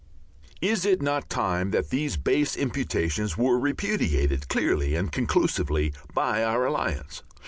Is it not time that these base imputations were repudiated clearly and conclusively by our Alliance?